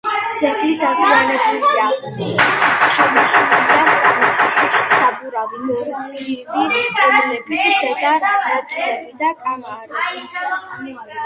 ძეგლი დაზიანებულია: ჩამოშლილია კრამიტის საბურავი, გრძივი კედლების ზედა ნაწილები და კამარის დასავლეთ ნაწილი.